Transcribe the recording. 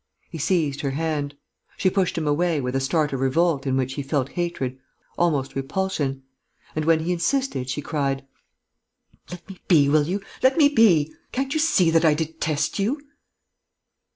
He seized her hand. She pushed him away, with a start of revolt in which he felt hatred, almost repulsion. And, when he insisted, she cried: "Let me be, will you?... Let me be!... Can't you see that I detest you?"